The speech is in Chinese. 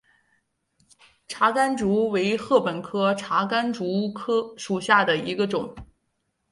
茶竿竹为禾本科茶秆竹属下的一个种。